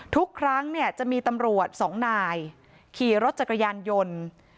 ทุกครั้งเนี่ยจะมีตำรวจสองนายขี่รถจักรยานยนต์